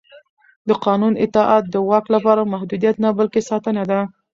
د قانون اطاعت د واک لپاره محدودیت نه بلکې ساتنه ده